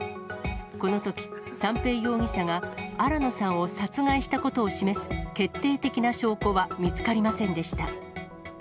このとき、三瓶容疑者が新野さんを殺害したことを示す決定的な証拠は見つかりませんでした。